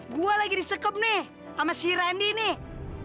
gue lagi di sekop nih sama si randy nih